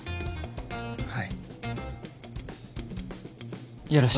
はい。